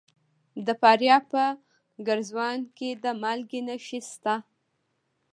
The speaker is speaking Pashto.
د فاریاب په ګرزوان کې د مالګې نښې شته.